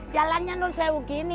jalannya nol sewuk gini